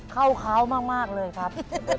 เข้าเขามากเลยครับ